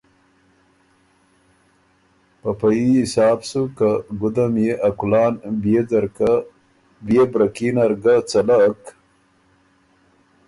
په په يي حساب سُو که ګُده ميې ا کُلان بيې ځرکه بيې بره کي نر ګۀ څلک